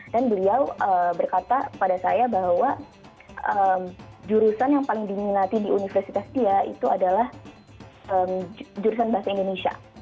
dan beliau berkata pada saya bahwa jurusan yang paling diminati di universitas dia itu adalah jurusan bahasa indonesia